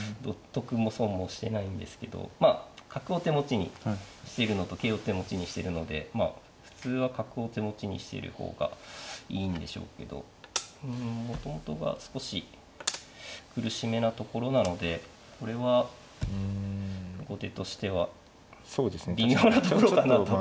得も損もしてないんですけどまあ角を手持ちにしてるのと桂を手持ちにしてるのでまあ普通は角を手持ちにしている方がいいんでしょうけどうんもともとが少し苦しめなところなのでこれは後手としては微妙なところだなと。